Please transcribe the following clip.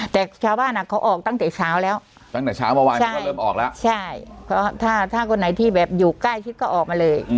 แต่ชาวบ้านอ่ะเขาออกตั้งแต่เช้าแล้วตั้งแต่เช้าเมื่อวานนี้ก็เริ่มออกแล้วใช่เพราะถ้าคนไหนที่แบบอยู่ใกล้ชิดก็ออกมาเลย